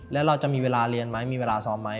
แล้วเราจะมีเวลาเรียนไหมมีเวลาซ้อมไหม